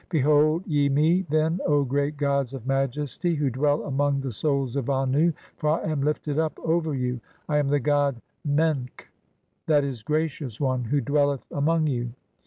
Behold ye me, then, O great (5) gods of majesty "who dwell among the Souls of Annu, for I am lifted up over "you. I am the god Menkh (J. e., Gracious one) who dwelleth "among you.